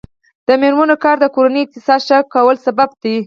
د میرمنو کار د کورنۍ اقتصاد ښه کولو سبب دی.